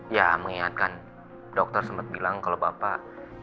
ya mengingatkan dokter sempat bilang kalau bapak